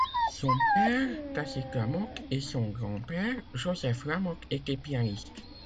Son père, Tacite Lamothe et son grand-père, Joseph Lamothe étaient pianistes.